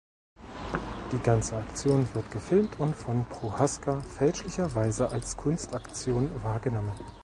Die ganze Aktion wird gefilmt und von Prohaska fälschlicherweise als Kunstaktion wahrgenommen.